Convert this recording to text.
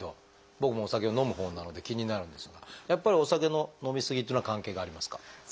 僕もお酒を飲むほうなので気になるんですがやっぱりお酒の飲み過ぎっていうのは関係がありますか？